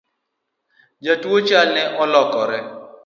Jatuo chalne olokore